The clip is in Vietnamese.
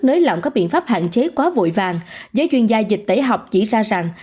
nới lộng các biện pháp hạn chế quá vội vàng giới chuyên gia dịch tẩy học chỉ ra rằng